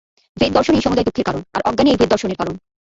ভেদ-দর্শনই সমুদয় দুঃখের কারণ, আর অজ্ঞানই এই ভেদ-দর্শনের কারণ।